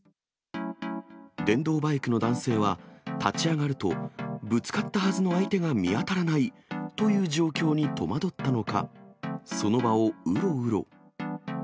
電動バイクの男性は、立ち上がると、ぶつかったはずの相手が見当たらないという状況に戸惑ったのか、その場をうろうろ。